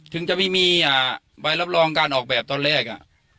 ถึงจะไม่มีใบรับรองการออกแบบตอนแรก